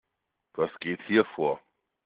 Was geht hier vor?